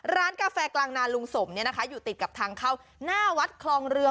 ร้านกาแฟกลางนาลุงสมอยู่ติดกับทั้งคาวนาวัดคลองเรือ๑๔